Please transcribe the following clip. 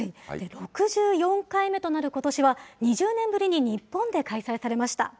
６４回目となることしは、２０年ぶりに日本で開催されました。